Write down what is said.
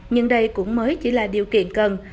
nhưng đây cũng mới chỉ là điều kiện cần